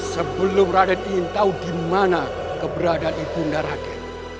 sebelum raden ingin tahu dimana keberadaan ibunda raden